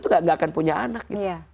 tuh gak akan punya anak